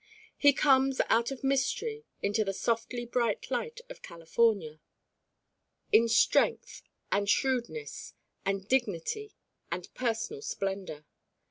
He comes out of mystery into the softly bright light of California, in strength and shrewdness and dignity and personal splendor.